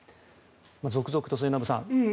続々と末延さん人事が。